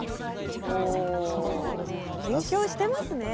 お勉強してますね。